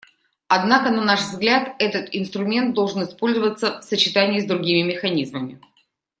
Однако, на наш взгляд, этот инструмент должен использоваться в сочетании с другими механизмами.